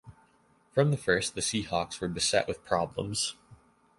From the first, the Seahawks were beset with problems.